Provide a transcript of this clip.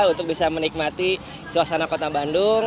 untuk bisa menikmati suasana kota bandung